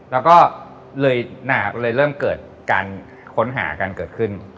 แล้วก็เลยเริ่มเกิดการค้นหากันเกิดขึ้น